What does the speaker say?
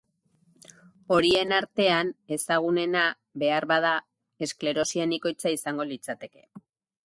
Horien artean, ezagunena, beharbada, esklerosi anizkoitza izango litzateke.